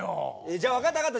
じゃあ分かった分かった。